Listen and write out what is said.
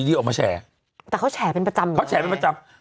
แต่ไม่ใช่ไม่ใช่แค่พี่โม้ทคนเดียว